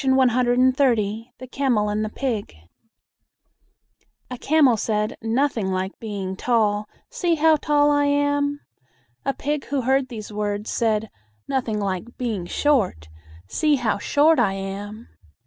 RAMASWAMI RAJU THE CAMEL AND THE PIG A camel said, "Nothing like being tall! See how tall I am." A pig who heard these words said, "Nothing like being short; see how short I am!"